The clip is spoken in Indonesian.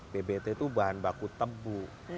bbt itu bahan baku tebu